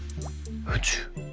宇宙？